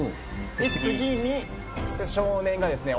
次に少年がですね